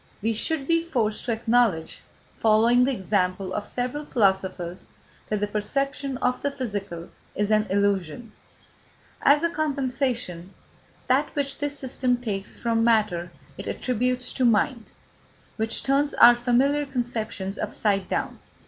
We should be forced to acknowledge, following the example of several philosophers, that the perception of the physical is an illusion. As a compensation, that which this system takes from matter it attributes to mind, which turns our familiar conceptions upside down.